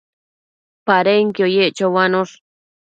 Padenquio yec choanosh